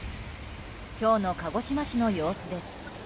今日の鹿児島市の様子です。